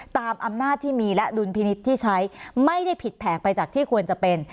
ตามอำนาจที่มีและดุลพินิษฐ์ที่ใช้ไม่ได้ผิดแผกไปจากที่ควรจะเป็น